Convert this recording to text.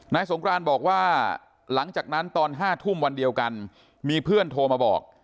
สงครานบอกว่าหลังจากนั้นตอน๕ทุ่มวันเดียวกันมีเพื่อนโทรมาบอก